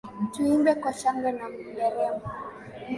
Tuimbe kwa shangwe na nderemo.